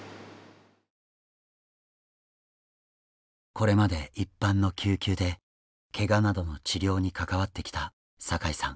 これまで一般の救急でけがなどの治療に関わってきた阪井さん。